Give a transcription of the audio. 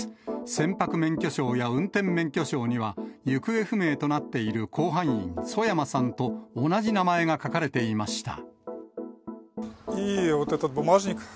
船舶免許証や運転免許証には、行方不明となっている甲板員、曽山さんと同じ名前が書かれていました。